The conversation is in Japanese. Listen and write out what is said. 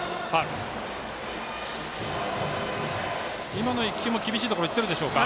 今の１球も厳しいところいってるでしょうか。